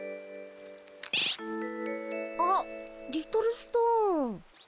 あリトルストーン。